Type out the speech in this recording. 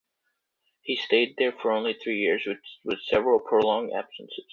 He stayed there for only three years, with several prolonged absences.